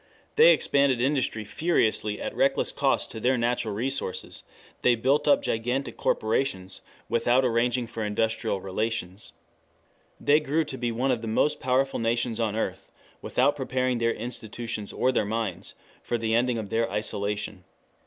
They expanded industry furiously at reckless cost to their natural resources; they built up gigantic corporations without arranging for industrial relations. They grew to be one of the most powerful nations on earth without preparing their institutions or their minds for the ending of their isolation.